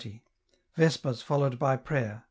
Vespers followed by prayer.